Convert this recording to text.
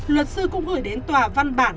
luật sư cũng gửi đến tòa văn bản